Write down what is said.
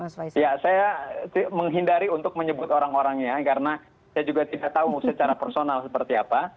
ya saya menghindari untuk menyebut orang orangnya karena saya juga tidak tahu secara personal seperti apa